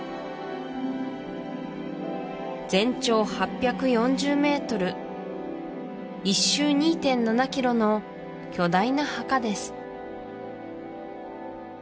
全長８４０ｍ１周２．７ｋｍの巨大な墓です